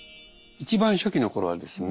一番初期の頃はですね